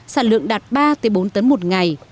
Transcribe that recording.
sản lượng đạt ba bốn tấn một ngày